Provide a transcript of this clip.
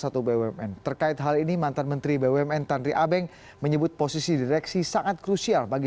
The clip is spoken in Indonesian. satu bumn terkait hal ini mantan menteri bumn tanri abeng menyebut posisi direksi sangat krusial bagi